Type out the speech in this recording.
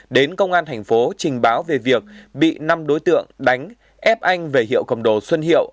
đến công an thành phố trình báo về việc bị năm đối tượng đánh ép anh về hiệu cầm đồ xuân hiệu